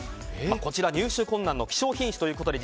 こちら入手困難の希少品種ということです。